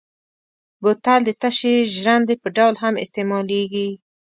بوتل د تشې ژرندې په ډول هم استعمالېږي.